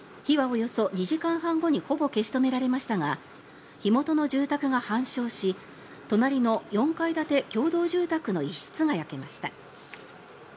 火はおよそ２時間半後にほぼ消し止められましたが火元の住宅が半焼し隣の４階建て共同住宅の一室が焼けました。